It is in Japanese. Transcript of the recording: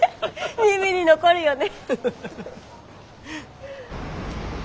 耳に残るよね。